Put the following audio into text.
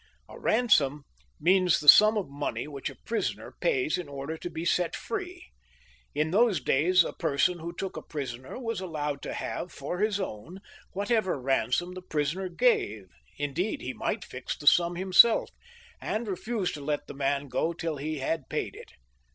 A ransom means the sum of money which a prisoner pays in order to be set free. In those days a person who took a prisoner was allowed to have, for his own, whatever ransom the prisoner gave ; indeed, he might fix the sum himself, and refuse to let the man go till he had paid it.